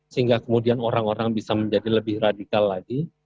sehingga kemudian orang orang bisa menjadi lebih radikal lagi